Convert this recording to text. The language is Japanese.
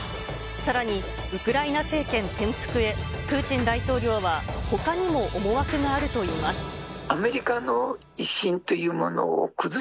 さらに、ウクライナ政権転覆へ、プーチン大統領はほかにも思惑があるといいます。